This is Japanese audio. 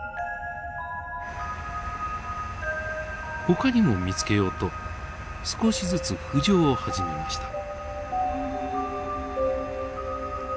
ほかにも見つけようと少しずつ浮上を始めました。